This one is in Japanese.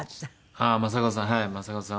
ああ正和さん